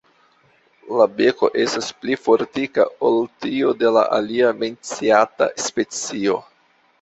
La beko estas pli fortika ol tiu de la alia menciata specio.